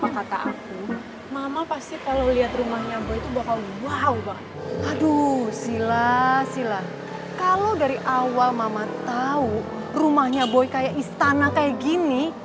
kalau dari awal mama tahu rumahnya boy kayak istana kayak gini